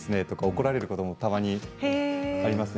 怒られることもたまにありますね。